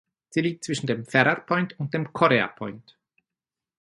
Sie liegt zwischen dem Ferrer Point und dem Correa Point.